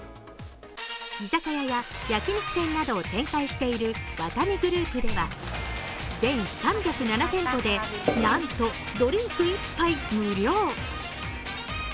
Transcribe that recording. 居酒屋や焼き肉店などを展開しているワタミグループでは、全３０７店舗でなんとドリンク１杯無料。